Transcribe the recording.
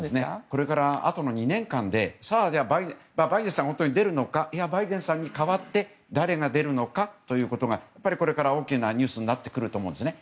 これから、あとの２年間でバイデンさんが出るのかバイデンさんに代わって誰が出るのかということがこれから大きなニュースになってくると思うんですね。